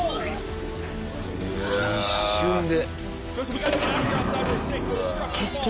一瞬で。